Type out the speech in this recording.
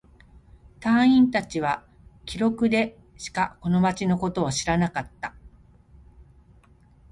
隊員達は記録でしかこの町のことを知らなかった。